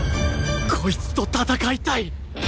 こいつと戦いたい！